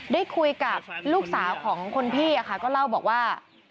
ได้คุยกับลูกสาวของคนพี่ก็เล่าบอกว่า